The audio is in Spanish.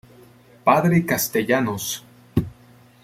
Padre Castellanos.